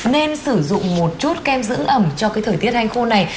nên sử dụng một chút kem dưỡng ẩm cho cái thời tiết hành khô này